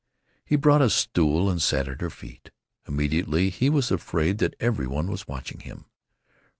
He brought a stool and sat at her feet. Immediately he was afraid that every one was watching him.